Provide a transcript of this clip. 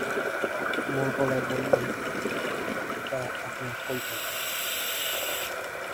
কোমল গলায় বললেন- এটা আপনার কল্পনা।